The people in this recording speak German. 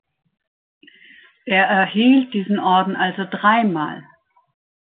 Er erhielt diesen Orden also dreimal.